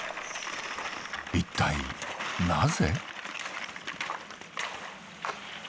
一体なぜ？